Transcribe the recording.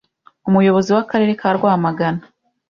Umuyobozi w’Akarere ka Rwamagana,